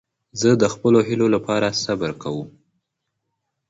زه د خپلو هیلو له پاره صبر کوم.